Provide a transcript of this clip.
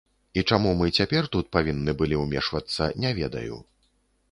І чаму мы цяпер тут павінны былі ўмешвацца, не ведаю.